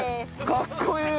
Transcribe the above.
かっこいい！